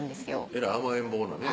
えらい甘えん坊なね